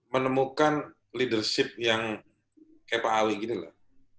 menemukan leadership yang kayak pak awi gini loh